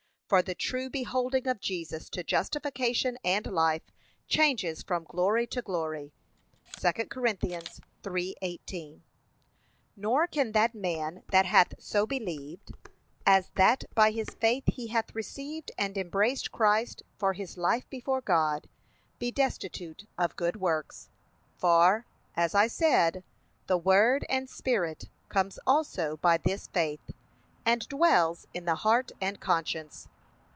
For the true beholding of Jesus to justification and life, changes from glory to glory. (2 Cor. 3:18) Nor can that man that hath so believed, as that by his faith he hath received and embraced Christ for life before God, be destitute of good works: for, as I said, the word and Spirit comes also by this faith, and dwells in the heart and conscience.